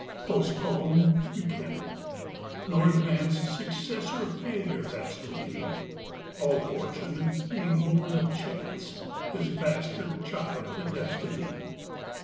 Postpone you can not, nor advance Success or failure that's to be; All fortune, being born of chance, Is bastard child to destiny.